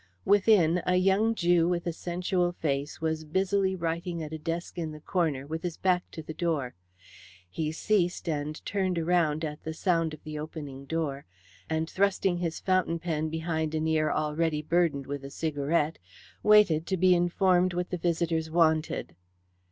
Within, a young Jew with a sensual face was busily writing at a desk in the corner, with his back to the door. He ceased and turned around at the sound of the opening door, and, thrusting his fountain pen behind an ear already burdened with a cigarette, waited to be informed what the visitors wanted.